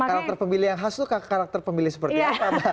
karakter pemilih yang khas itu karakter pemilih seperti apa